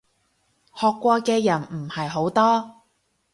學過嘅人唔係好多